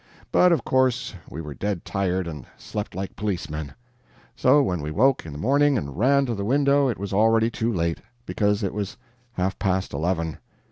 But of course we were dead tired, and slept like policemen; so when we awoke in the morning and ran to the window it was already too late, because it was half past eleven.